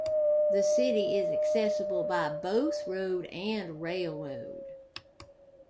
The city is accessible by both road and railroad.